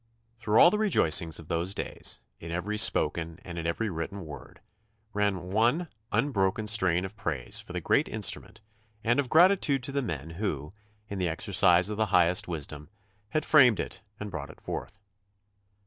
Through all the rejoicings of those days, in every spoken and in every written word, ran one un broken strain of praise for the great instrument and of gratitude to the men who, in the exercise of the highest wisdom, had framed it and brought it forth.